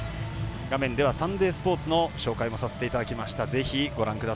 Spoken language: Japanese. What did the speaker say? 画面では「サンデースポーツ」の紹介もさせていただきました。